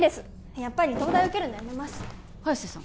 やっぱり東大受けるのやめます早瀬さん